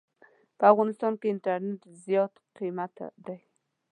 په افغانستان کې انټرنيټ زيات قيمته دي.